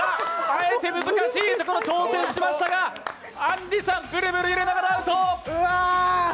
あえて難しいところに挑戦しましたが、あんりさんブルブル揺れながらアウト！